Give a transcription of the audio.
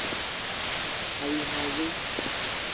A yi ma woe :